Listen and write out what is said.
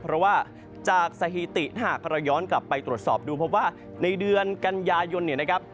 เพราะว่าจากสถิติถ้าหากเราย้อนกลับไปตรวจสอบดูพบว่าในเดือนกันยายนเนี่ยนะครับ